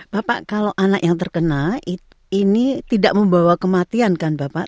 bapak kalau anak yang terkena ini tidak membawa kematian kan bapak